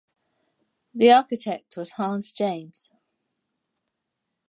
The architect was Hans James.